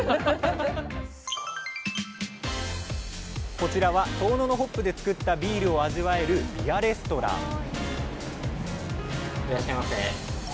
こちらは遠野のホップでつくったビールを味わえるビアレストランいらっしゃいませ。